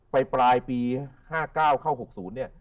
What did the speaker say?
ไปปลายปี๕๙๖๐เนี่ย